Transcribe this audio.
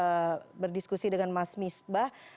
saya sudah sempat berdiskusi dengan mas miss bah